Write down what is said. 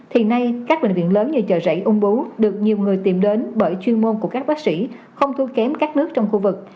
thì nay các bệnh viện lớn như chợ rẫy ung bú được nhiều người tìm đến bởi chuyên môn của các bác sĩ không thua kém các nước trong khu vực